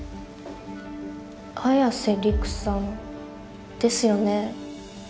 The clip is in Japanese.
綾瀬りくさんですよね？